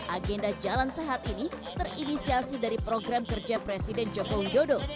agenda jalan sehat ini terinisiasi dari program kerja presiden joko widodo